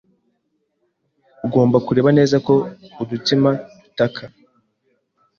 Ugomba kureba neza ko udutsima tutaka.